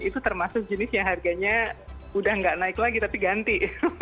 itu termasuk jenis yang harganya udah nggak naik lagi tapi ganti